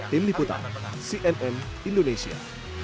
tim liputan cnn indonesia